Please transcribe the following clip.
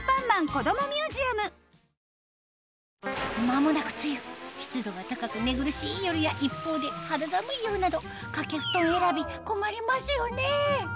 間もなく梅雨湿度が高く寝苦しい夜や一方で肌寒い夜など掛けふとん選び困りますよね？